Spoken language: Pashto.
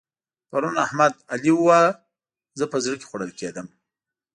پرون احمد؛ علي وواهه. زه په زړه کې خوړل کېدم.